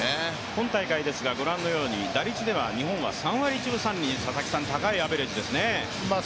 今大会ですがご覧のように打率は３割以上と日本は高いアベレージですね。